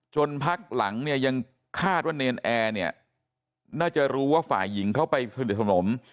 พักหลังเนี่ยยังคาดว่าเนรนแอร์เนี่ยน่าจะรู้ว่าฝ่ายหญิงเข้าไปสนิทสนม